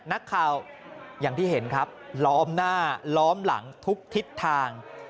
นักข่าวอย่างที่เห็นครับล้อมหน้าล้อมหลังทุกทิศทาง